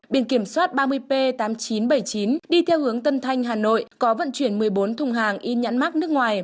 biển kiểm soát ba mươi p tám nghìn chín trăm bảy mươi chín đi theo hướng tân thanh hà nội có vận chuyển một mươi bốn thùng hàng in nhãn mát nước ngoài